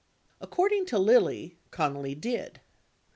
50 According to Lilly, Connally did.